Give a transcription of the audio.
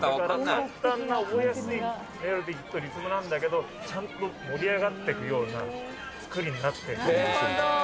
簡単に覚えやすいメロディーとリズムなんだけど、ちゃんと盛り上がっていくような作りになっなるほど。